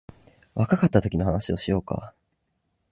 苦しかったときの話をしようか